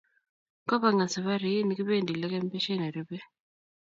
kopangan safarii nekibente lekemee beshee nirubei